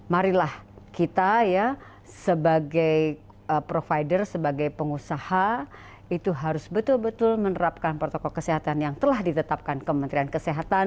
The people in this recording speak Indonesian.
marilah kita ya sebagai provider sebagai pengusaha itu harus betul betul menerapkan protokol kesehatan yang telah ditetapkan kementerian kesehatan